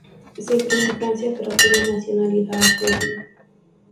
Se crio en Francia, pero tiene nacionalidad argentina.